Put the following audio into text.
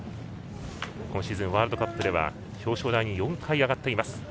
今シーズン、ワールドカップでは表彰台に４回上がっています。